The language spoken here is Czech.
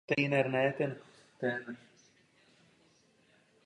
Nachází se v městském státě Singapur na území Centrálního regionu.